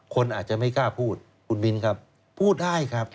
คนอาจจะไม่กล้าพูดคุณมิ้นครับพูดได้ครับ